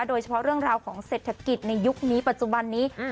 โดยเฉพาะเรื่องราวของเศรษฐกิจในยุคนี้ปัจจุบันนี้